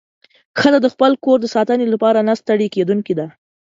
ښځه د خپل کور د ساتنې لپاره نه ستړې کېدونکې ده.